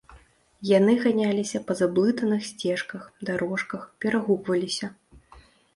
Яны ганяліся па заблытаных сцежках, дарожках, перагукваліся.